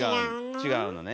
違うのね。